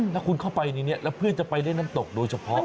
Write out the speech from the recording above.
ถ้าคุณเข้าไปในนี้แล้วเพื่อจะไปเล่นน้ำตกโดยเฉพาะ